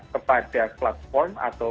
kepada platform atau